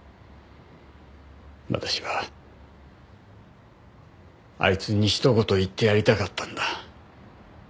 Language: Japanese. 私はあいつにひと言言ってやりたかったんだ。